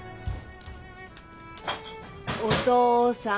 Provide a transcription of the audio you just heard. お父さん。